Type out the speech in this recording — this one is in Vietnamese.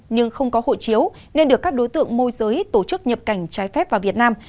nhưng không có hộ chiếu nên được các đối tượng môi giới tổ chức nhập cảnh trái phép vào việt nam